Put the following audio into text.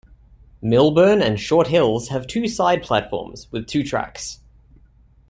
Millburn and Short Hills have two side platforms, with two tracks.